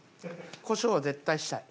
こしょうは絶対したい。